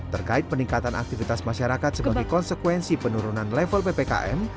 terkait peningkatan aktivitas masyarakat sebagai konsekuensi penurunan level ppkm